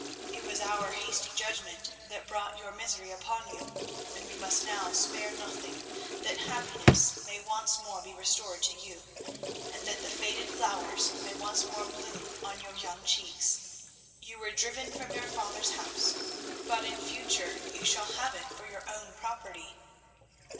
It was our hasty judgment that brought your misery upon you, and we must now spare nothing, that happiness may once more be restored to you, and that the faded flowers may once more bloom on your young cheeks. You were driven from your father's house, but in future you shall have it for your own property."